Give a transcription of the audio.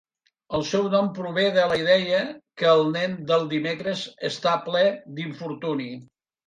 El seu nom prové de la idea que el nen del dimecres està ple d'infortuni.